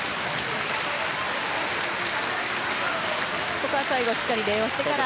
ここは最後しっかり礼をしてから。